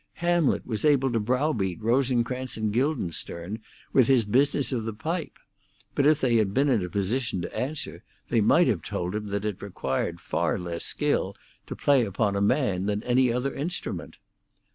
Hamlet was able to browbeat Rosencrantz and Guildenstern with his business of the pipe; but if they had been in a position to answer they might have told him that it required far less skill to play upon a man than any other instrument.